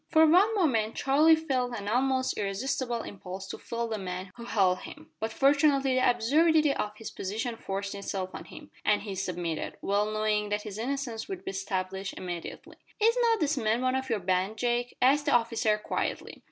For one moment Charlie felt an almost irresistible impulse to fell the men who held him, but fortunately the absurdity of his position forced itself on him, and he submitted, well knowing that his innocence would be established immediately. "Is not this man one of your band, Jake?" asked the officer quietly.